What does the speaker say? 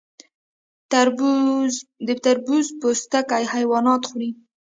د تربوز پوستکي حیوانات خوري.